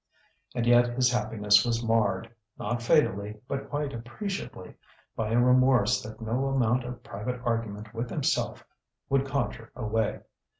And yet his happiness was marred not fatally, but quite appreciably by a remorse that no amount of private argument with himself would conjure away.